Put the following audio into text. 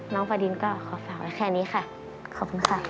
น้องฟาดินก็ขอเฝ้าไว้แค่นี้ค่ะขอบคุณค่ะ